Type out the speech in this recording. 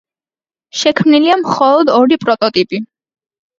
შექმნილია მხოლოდ ორი პროტოტიპი.